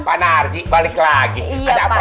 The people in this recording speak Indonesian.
pak narji balik lagi ada apa